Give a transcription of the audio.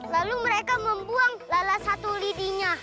lalu mereka membuang lala satu lidinya